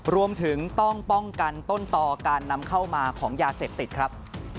รวมถึงต้องป้องกันต้นต่อการนำเข้ามาของยาเสพติดครับ